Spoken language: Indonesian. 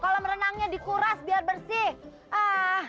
kolam renangnya dikuras biar bersih